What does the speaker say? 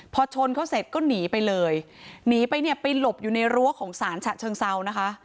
พอชนเขาเสร็จก็หนีไปเลยหนีไปเนี่ยไปหลบอยู่ในรั้วของศาลฉะเชิงเซานะคะ